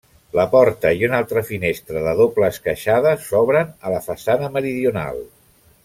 La porta i una altra finestra de doble esqueixada s'obren a la façana meridional.